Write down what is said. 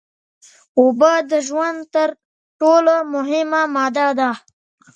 اوبه د ژوند تر ټول مهمه ماده ده